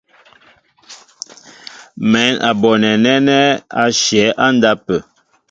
Mɛ̌n a bonɛ nɛ́nɛ́ á shyɛ̌ á ndápə̂.